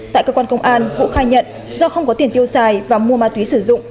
tại cơ quan công an vũ khai nhận do không có tiền tiêu xài và mua ma túy sử dụng